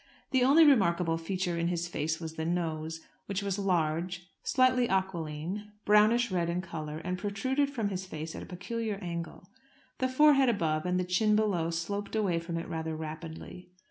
The only remarkable feature in his face was the nose, which was large, slightly aquiline, brownish red in colour, and protruded from his face at a peculiar angle. The forehead above, and the chin below, sloped away from it rather rapidly.